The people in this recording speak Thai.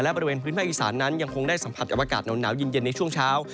บริเวณพื้นภาคอีสานนั้นยังคงได้สัมผัสกับอากาศหนาวเย็นในช่วงเช้า